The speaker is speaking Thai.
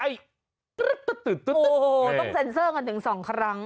ต้นเซ็นเซอร์กันถึงสองครั้ง